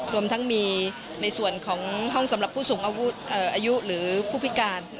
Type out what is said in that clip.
รวมทั้งมีในส่วนของห้องสำหรับผู้สูงอายุหรือผู้พิการ